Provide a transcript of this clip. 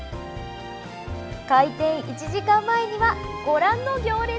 開店１時間前には、ご覧の行列！